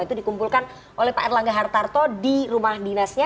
itu dikumpulkan oleh pak erlangga hartarto di rumah dinasnya